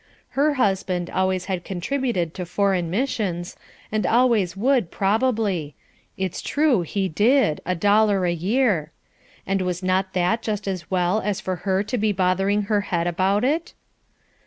Her husband always had contributed to Foreign Missions, and always would probably (it's true he did, a dollar a year!) and was not that just as well as for her to be bothering her head about it?